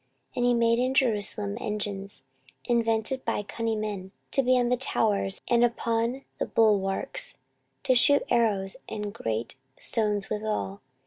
14:026:015 And he made in Jerusalem engines, invented by cunning men, to be on the towers and upon the bulwarks, to shoot arrows and great stones withal.